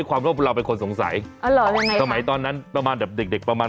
โอ้คุณคนเลยไปจับแก้มเขา